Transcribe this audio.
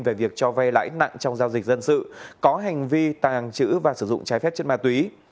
về việc cho vay lãi nặng trong giao dịch dân sự có hành vi tàng trữ và sử dụng trái phép chất ma túy